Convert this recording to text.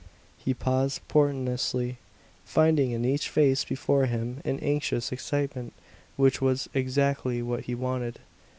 He paused portentously, finding in each face before him an anxious excitement which was exactly what he wanted.